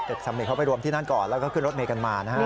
เด็กชัมมิตรเขาไปรวมที่นั่นก่อนแล้วก็ขึ้นรถเมล์กันมา